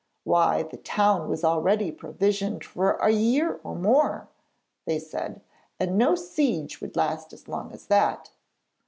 'Why, the town was already provisioned for a year or more,' they said, 'and no siege would last as long as that.'